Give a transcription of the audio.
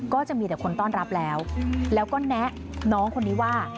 ก็จะมีแต่คนต้อนรับแล้วแล้วก็แนะน้องคนนี้ว่า